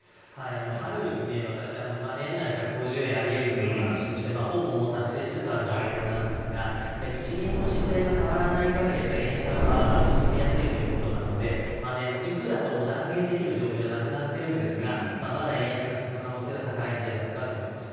春に私、年内１５０円あり得るという話をしてほぼ達成しつつある状況なんですが日銀の姿勢が変わらない限り円安は進みやすいということなのでいくらとも断言できる状況じゃなくなっているんですがまだ円安が進む可能性は高いのではないかと思います。